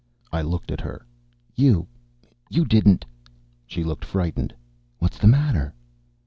I looked at her. "You you didn't " She looked frightened. "What's the matter?"